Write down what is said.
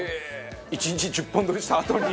１日１０本撮りしたあとに！？